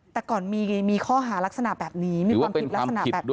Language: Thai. แต่ก่อนมีข้อหารักษณะแบบนี้มีความผิดลักษณะแบบนี้